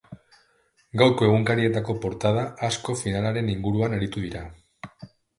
Gaurko egunkarietako portada asko finalaren inguruan aritu dira.